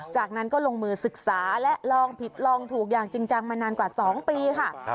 จากนั้นก็ลงมือศึกษาและลองผิดลองถูกอย่างจริงจังมานานกว่า๒ปีค่ะ